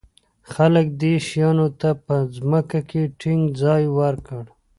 خلک دې شیانو ته په ځمکه کې ټینګ ځای ورکړ.